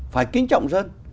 phải kính trọng dân